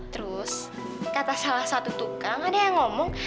terus kata salah satu tukang ada yang ngomong